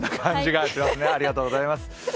ありがとうございます。